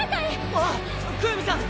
あっクウミさん！